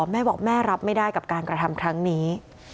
แม่บอกแม่รับไม่ได้กับการกระทำครั้งนี้